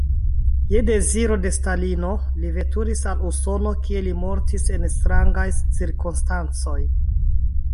Je deziro de Stalino li veturis al Usono, kie li mortis en strangaj cirkonstancoj.